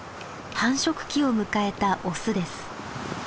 繁殖期を迎えたオスです。